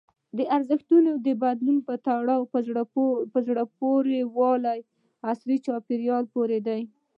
د ارزښتونو د بدلون تړاو په زړه پورې والي او عصري چاپېریال پورې دی.